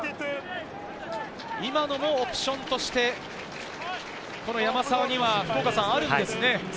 今のもオプションとして、山沢にはあるんですね。